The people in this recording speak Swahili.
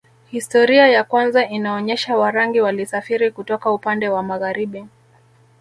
Historia ya kwanza inaonyesha Warangi walisafiri kutoka upande wa magharibi